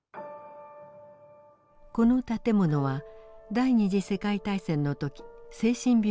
この建物は第二次世界大戦の時精神病院でした。